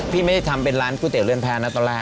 ไม่ได้ทำเป็นร้านก๋วยเตี๋เรือนแพ้นะตอนแรก